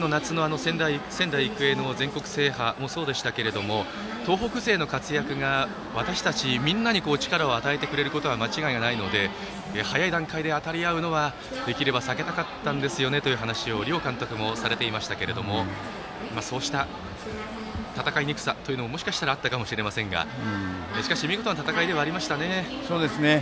去年の夏の仙台育英の全国制覇もそうですが東北勢の活躍が、私たちみんなに力を与えてくれるのは間違いないので早い段階で当たり合うのはできれば避けたかったんですよねと両監督とも話していましたがそうした戦いにくさももしかしたらあったかもしれませんがしかし見事な戦いでしたね。